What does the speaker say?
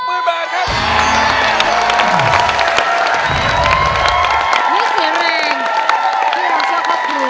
นี่เสียงแรงที่เราช่วยครอบครัว